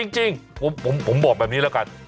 จริงผมบอกแบบนี้แล้วกัน